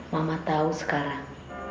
mama tahu sekarang